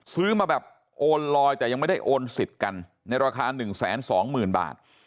ซื้อมาแบบโอนลอยแต่ยังไม่ได้โอนสิทธิ์กันในราคา๑๒๐๐๐บาท